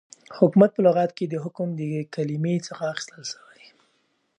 حكومت په لغت كې دحكم دكلمې څخه اخيستل سوی